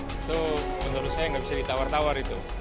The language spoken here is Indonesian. itu menurut saya nggak bisa ditawar tawar itu